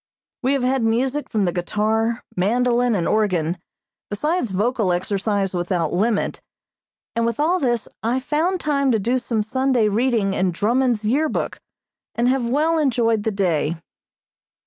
We have had music from the guitar, mandolin and organ, besides vocal exercise without limit, and with all this I found time to do some Sunday reading in Drummond's Year Book, and have well enjoyed the day.